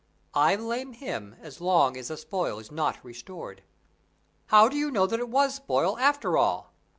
"I blame him as long as the spoil is not restored." "How do you know that it was spoil, after all?"